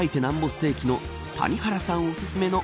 ステーキの谷原さんおすすめの